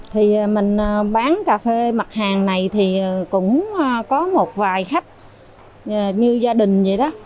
thì mình bán cà phê mặt hàng này thì cũng có một vài khách như gia đình vậy đó